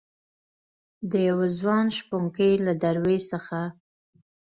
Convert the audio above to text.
دیوه ځوان شپونکي له دروي څخه